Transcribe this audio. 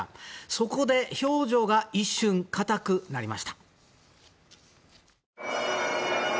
そこで表情が一瞬硬くなりました。